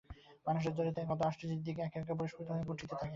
মানুষটার চরিত্রের কত আশ্চর্য দিক যে একে একে পরিস্ফুট হইয়া উঠিতে থাকে।